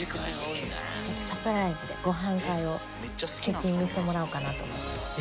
ちょっとサプライズでご飯会をセッティングしてもらおうかなと思ってます。